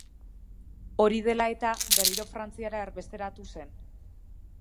Hori dela eta, berriro Frantziara erbesteratu zen.